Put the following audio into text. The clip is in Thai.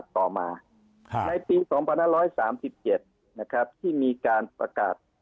ต่อมาในปี๒๐๐มีการประกัด